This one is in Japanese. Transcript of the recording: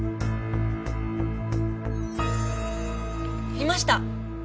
いました！